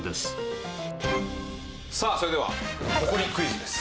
さあそれではほこりクイズです。